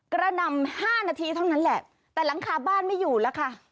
กระหน่ำห้านาทีเท่านั้นแหละแต่หลังคาบ้านไม่อยู่แล้วค่ะ